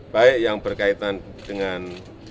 baik yang berkaitan dengan